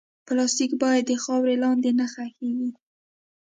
پلاستيک باید د خاورې لاندې نه ښخېږي.